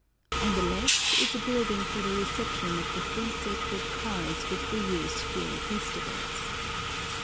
On the left is a building for the reception of the three sacred cars which were used during festivals.